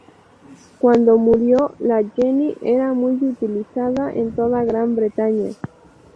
Cuando murió, la Jenny era muy utilizada en toda Gran Bretaña.